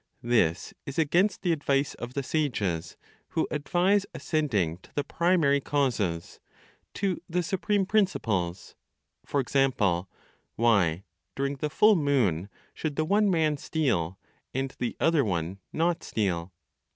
This is against the advice of the sages, who advise ascending to the primary causes, to the supreme principles. For example, why, during the full moon, should the one man steal, and the other one not steal?